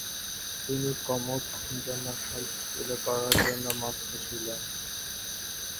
তিনি Comost international স্কুলে পড়ার জন্য মস্কো ছিলেন।